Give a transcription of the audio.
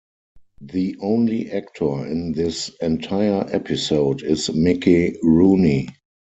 The only actor in this entire episode is Mickey Rooney.